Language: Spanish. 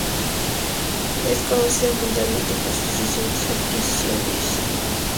Es conocida mundialmente por sus recientes adquisiciones de laboratorios como Abbott.